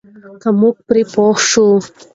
که موږ پرې پوه شو.